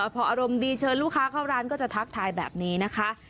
พออารมณ์ดีเชิญลูกค้าเข้าร้านก็จะทักทายแบบนี้นะคะ